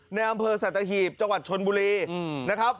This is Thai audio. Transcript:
ในอำเภอสัตหีบจังหวัดชนบุรีนะครับ